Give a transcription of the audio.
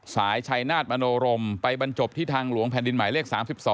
สายชัยนาธมโนรมไปบรรจบที่ทางหลวงแผ่นดินหมายเลข๓๒